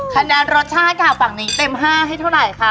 คะแนนรสชาติค่ะฝั่งนี้เต็ม๕ให้เท่าไหร่คะ